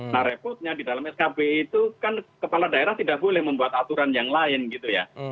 nah repotnya di dalam skb itu kan kepala daerah tidak boleh membuat aturan yang lain gitu ya